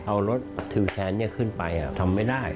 เอารถทิวแทนขึ้นไปทำไม่ได้